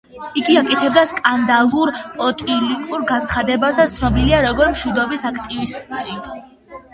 იგი აკეთებდა სკანდალურ პოლიტიკურ განცხადებებს და ცნობილია, როგორც მშვიდობის აქტივისტი.